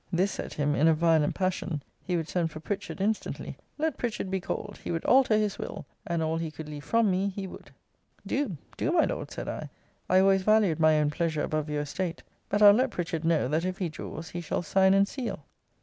This set him in a violent passion. He would send for Pritchard instantly. Let Pritchard be called. He would alter his will; and all he could leave from me, he would. Do, do, my Lord, said I: I always valued my own pleasure above your estate. But I'll let Pritchard know, that if he draws, he shall sign and seal.